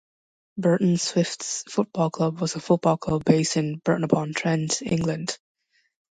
Burton Swifts Football Club was a football club based in Burton upon Trent, England.